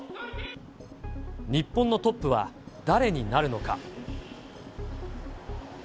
日本のトップは誰になるのか。